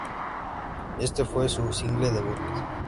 Este fue su single debut.